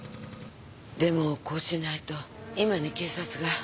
でもこうしないと今に警察が。